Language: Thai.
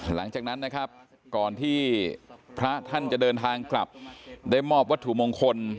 หลังจากนั้นนะครับก่อนที่พระท่านจะเดินทางกลับได้มอบวัตถุมงคล